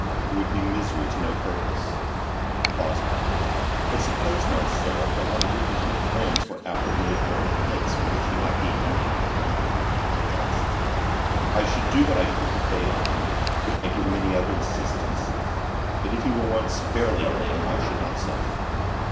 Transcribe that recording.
It would be misery to no purpose.' BOSWELL. 'But suppose now, Sir, that one of your intimate friends were apprehended for an offence for which he might be hanged.' JOHNSON. 'I should do what I could to bail him, and give him any other assistance; but if he were once fairly hanged, I should not suffer.'